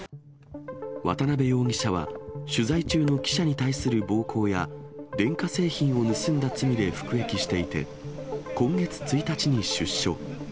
渡部容疑者は、取材中の記者に対する暴行や、電化製品を盗んだ罪で服役していて、今月１日に出所。